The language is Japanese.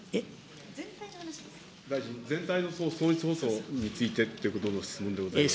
大臣、全体の損失補償についてということの質問でございます。